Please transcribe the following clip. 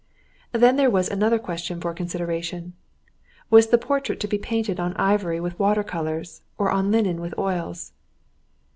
Then there was another question for consideration: was the portrait to be painted on ivory with water colours, or on linen with oils?